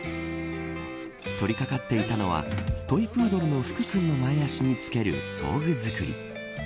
取りかかっていたのはトイプードルの福くんの前足に着ける装具作り。